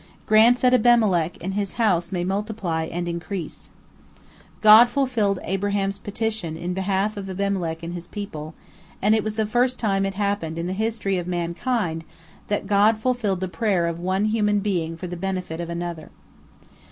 Grant that Abimelech and his house may multiply and increase!" God fulfilled Abraham's petition in behalf of Abimelech and his people, and it was the first time it happened in the history of mankind that God fulfilled the prayer of one human being for the benefit of another.